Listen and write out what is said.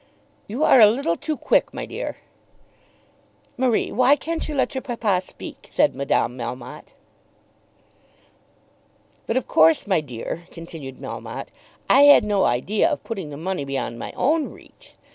"You are a little too quick, my dear." "Marie, why can't you let your papa speak?" said Madame Melmotte. "But of course, my dear," continued Melmotte, "I had no idea of putting the money beyond my own reach.